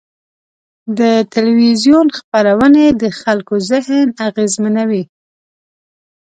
د تلویزیون خپرونې د خلکو ذهن اغېزمنوي.